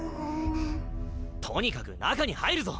とにかく中に入るぞ！